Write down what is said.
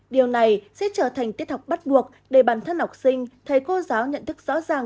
điều này sẽ trở thành tiết học bắt buộc để bản thân học sinh thầy cô giáo nhận thức rõ ràng